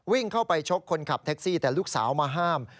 วิ่งเข้าไปชกคนขับแท็กซี่แต่ลูกสาวมาห้าม